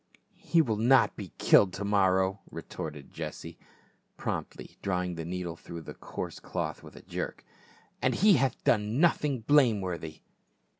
"He will not be killed to morrow," retorted Jesse 400 PA UL. promptly, drawing his needle through the coarse cloth with a jerk. " And he hath done nothing blame worthy."